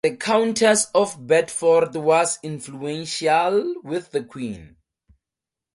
The Countess of Bedford was influential with the queen.